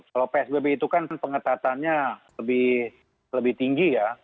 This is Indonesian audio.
kalau psbb itu kan pengetatannya lebih tinggi ya